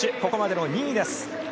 ここまでの２位です。